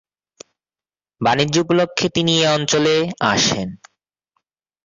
বাণিজ্য উপলক্ষে তিনি এ অঞ্চলে আসেন।